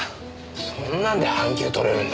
そんなんで半休取れるんだ。